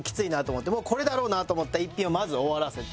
これだろうなと思った一品をまず終わらせて。